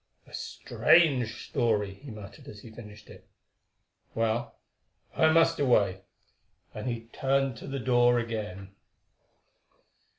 "A strange story," he muttered, as he finished it. "Well, I must away," and he turned to the door again.